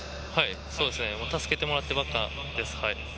助けてもらってばっかりです。